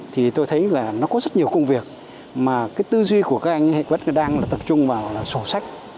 thì tôi thấy là nó có rất nhiều công việc mà cái tư duy của các anh hệ quất đang là tập trung vào là sổ sách